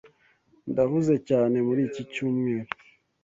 Ndahuze cyane muri iki cyumweru.